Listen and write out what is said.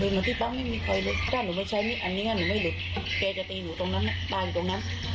หนูจะใช้มิดอันนี้แทนตัวเอง